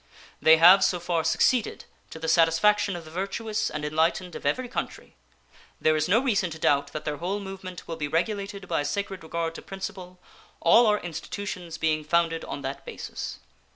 They have so far succeeded to the satisfaction of the virtuous and enlightened of every country. There is no reason to doubt that their whole movement will be regulated by a sacred regard to principle, all our institutions being founded on that basis.